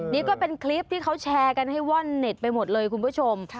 นี่ก็เป็นคลิปที่เขาแชร์กันให้ว่อนเน็ตไปหมดเลยคุณผู้ชม